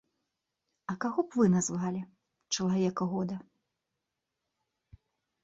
А каго б вы назвалі чалавека года?